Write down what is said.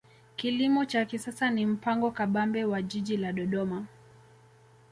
kilimo cha kisasa ni mpango kabambe wa jiji la dodoma